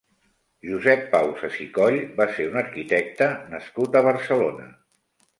Josep Pausas i Coll va ser un arquitecte nascut a Barcelona.